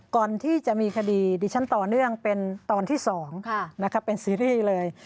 ก่อนที่จะมีคดีดิฉันต่อเนื่องเป็นตอนที่๒เป็นซีรีส์เลย